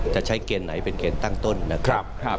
จะใช้เกณฑ์ไหนเป็นเกณฑ์ตั้งต้นนะครับ